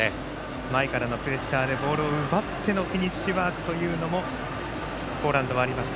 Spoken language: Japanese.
前からのプレッシャーでボールを奪ってのフィニッシュワークもポーランドはありました。